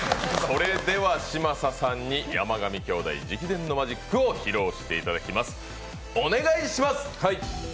それでは嶋佐さんに山上兄弟直伝のマジックを披露していただきます。